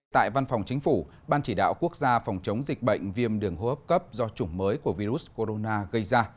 tại văn phòng chính phủ ban chỉ đạo quốc gia phòng chống dịch bệnh viêm đường hô hấp cấp do chủng mới của virus corona gây ra